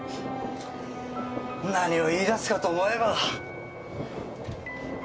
何を言い出すかと思えば。